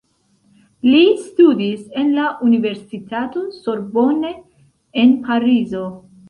Li studis en la Universitato Sorbonne en Parizo.